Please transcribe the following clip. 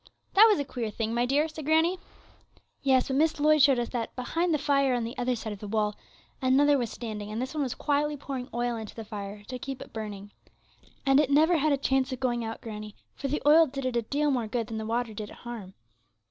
'That was a queer thing, my dear!' said granny. 'Yes, but Miss Lloyd showed us that, behind the fire, on the other side of the wall, another was standing; and this one was quietly pouring oil into the fire to keep it burning. And it never had a chance of going out, granny, for the oil did it a deal more good than the water did it harm.'